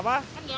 kan aja doang